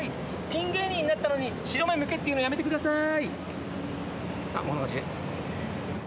ピン芸人になったのに白目むけっていうのやめてください。